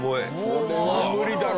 これは無理だろ。